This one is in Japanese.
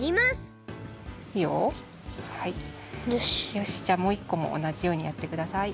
よしじゃあもういっこもおなじようにやってください。